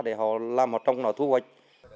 để họ làm một trong nó thu hoạch